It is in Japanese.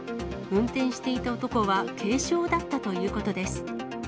運転していた男は軽傷だったということです。